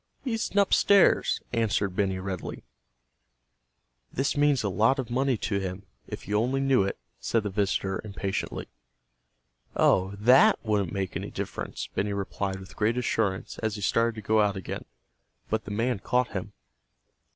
"He's nupstairs," answered Benny readily. "This means a lot of money to him, if he only knew it," said the visitor impatiently. "Oh, that wouldn't make any difference," Benny replied with great assurance as he started to go out again. But the man caught him.